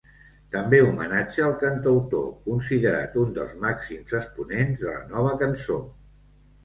També homenatja el cantautor, considerat un dels màxims exponents de la Nova cançó.